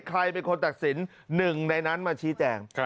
ใครเป็นคนตัดสินหนึ่งในนั้นมาชี้แจง